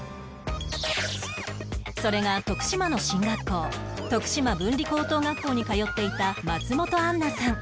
それが徳島の進学校徳島文理高等学校に通っていた松本杏奈さん